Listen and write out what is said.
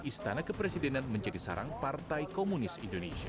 istana kepresidenan menjadi sarang partai komunis indonesia